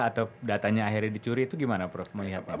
atau datanya akhirnya dicuri itu gimana prof melihatnya